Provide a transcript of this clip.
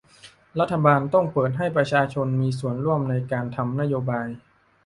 รัฐบาลต้องเปิดให้ประชาชนมีส่วนร่วมในการทำนโยบาย